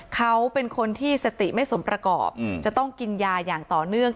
เขาเป็นคนที่สติไม่สมประกอบจะต้องกินยาอย่างต่อเนื่อง